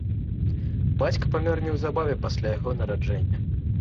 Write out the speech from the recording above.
Бацька памёр неўзабаве пасля яго нараджэння.